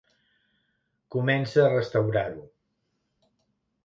Comença a restaurar-ho.